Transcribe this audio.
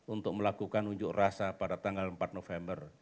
untuk melakukan unjuk rasa pada tanggal empat november